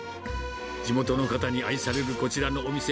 地元の方に愛されるこちらのお店。